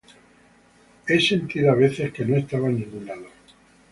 He sentido a veces que no estaba en ningún lado.